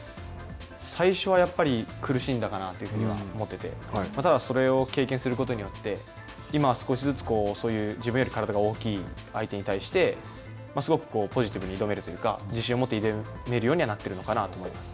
最初はやっぱり苦しんだかなというふうには思ってて、ただそれを経験することによって今、少しずつ、自分より体が大きい相手に対してすごくポジティブに挑めるというか自信を持って挑めるようにはなっているのかなと思います。